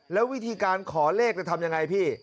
แล้ววิธีการขอเลขจะทำยังไงพี่